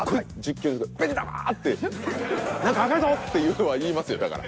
「何か赤いぞ」っていうのは言いますよだから。